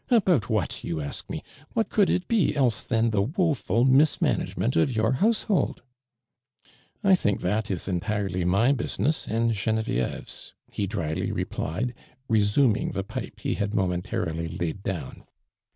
"About what, you a.sk m* ! What could it be else than the woful mismanagement of your household '.''' "I think that is entirely my business and Genevieve's,'' he drily replied, resum ing the pip« he had momentarily laid down.